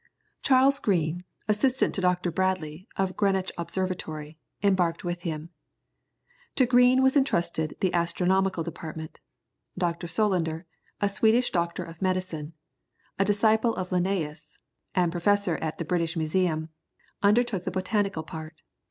Charles Green, assistant to Dr. Bradley, of Greenwich Observatory, embarked with him. To Green was entrusted the astronomical department, Doctor Solander, a Swedish doctor of medicine, a disciple of Linnæus, and professor at the British Museum, undertook the botanical part.